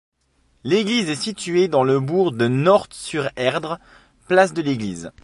L'église est située dans le bourg de Nort-sur-Erdre, place de l'église.